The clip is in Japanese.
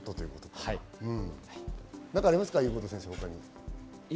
何か他にありますか？